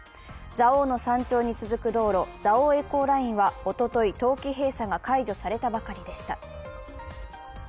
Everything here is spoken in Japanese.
蔵王の山頂に続く道路蔵王エコーラインはおととい、冬季閉鎖が解除されたばかりでした。